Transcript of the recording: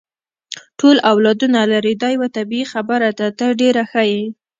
ټول اولادونه لري، دا یوه طبیعي خبره ده، ته ډېره ښه یې.